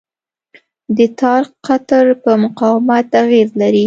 د تار قطر په مقاومت اغېز لري.